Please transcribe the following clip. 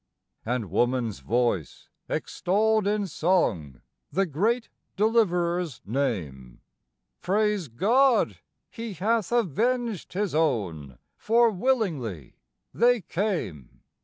And woman's voice extolled in song the great Deliverer's name: "Praise God! He hath avenged His own, for willingly they came.